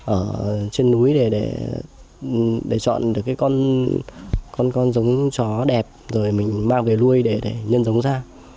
ở trên núi để chọn được con giống chó đẹp rồi mình mang về nuôi để nhân giống ra